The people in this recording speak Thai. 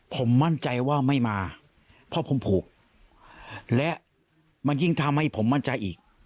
ผมมั่นใจว่าไม่มาเพราะผมผูกและมันยิ่งทำให้ผมมั่นใจอีก